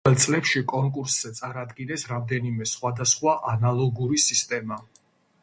პირველ წლებში კონკურსზე წარადგინეს რამდენიმე სხვადასხვა ანალოგური სისტემა.